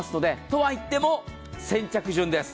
とはいっても先着順です。